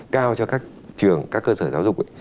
cao cho các trường các cơ sở giáo dục